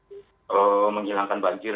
ee menghilangkan banjir